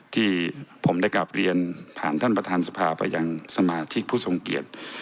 ที่ผมได้กลับเรียนผ่านท่านประธานสภาไปยังสมาชิกผู้ทรงเกียจ